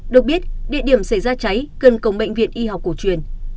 được biết địa điểm xảy ra cháy cần cổng bệnh viện y học cổ truyền